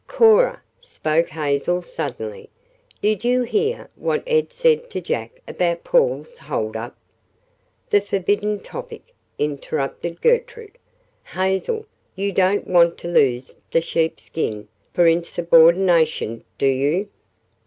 "Cora," spoke Hazel suddenly, "did you hear what Ed said to Jack about Paul's hold up?" "The forbidden topic," interrupted Gertrude. "Hazel, you don't want to lose the sheepskin for insubordination, do you?"